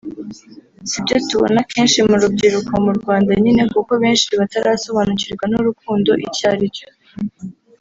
Si byo tubona kenshi mu rubyiruko mu Rwanda nyine kuko benshi batarasobanukirwa n’urukundo icyo ari cyo